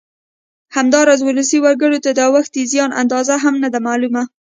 همداراز ولسي وګړو ته د اوښتې زیان اندازه هم نه ده معلومه